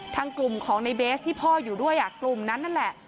ทางกลุ่มของในเบสที่พ่ออยู่ด้วยกลุ่มนั้นนั่นแหละ